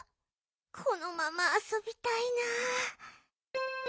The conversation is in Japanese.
このままあそびたいな。